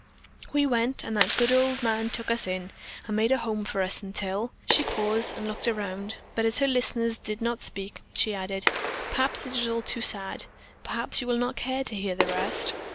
"We went, and that good man took us in, and made a home for us until " she paused and looked around, but as her listeners did not speak, she added: "Perhaps this is all too sad, perhaps you will not care to hear the rest."